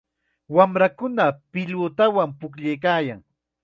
Wamrakuna pilutawanmi pukllayan.